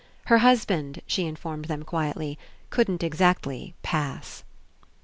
Her husband, she informed them quietly, couldn't exactly "pass."